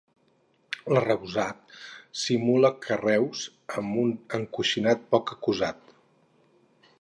L'arrebossat simula carreus amb un encoixinat poc acusat.